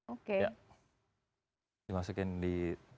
oke dimasukin di